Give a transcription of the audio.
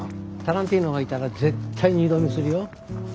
タランティーノがいたら絶対二度見するよ。